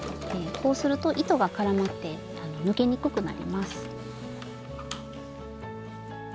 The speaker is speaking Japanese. こうすると糸が絡まって抜けにくくなります。